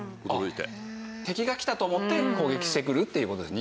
敵が来たと思って攻撃してくるっていう事ですね？